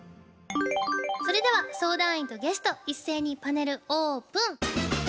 それでは相談員とゲスト一斉にパネルオープン。